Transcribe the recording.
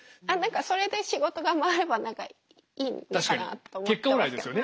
それで仕事が回れば何かいいのかなと思ってますけど。